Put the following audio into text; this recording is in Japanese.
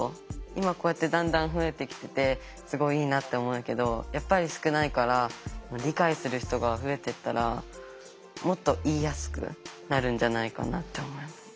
今こうやってだんだん増えてきててすごいいいなって思うけどやっぱり少ないから理解する人が増えていったらもっと言いやすくなるんじゃないかなって思う。